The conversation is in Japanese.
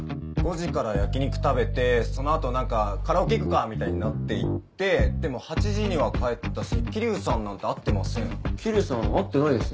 ５時から焼き肉食べてその後何かカラオケ行くかみたいになって行ってでも８時には帰ったし桐生さんなんて桐生さん会ってないです